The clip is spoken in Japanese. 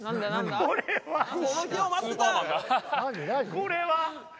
これは。